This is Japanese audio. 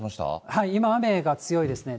はい、今、雨が強いですね。